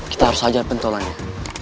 kita harus ajar pentolongnya